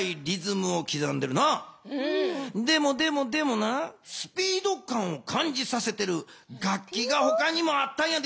でもでもでもなスピード感を感じさせてる楽器がほかにもあったんやで！